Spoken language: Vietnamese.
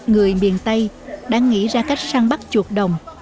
người miền tây đã nghĩ ra cách săn bắt chuột đồng